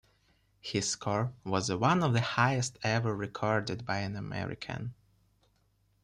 His score was one of the highest ever recorded by an American.